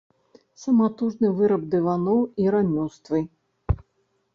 Саматужны выраб дываноў і рамёствы.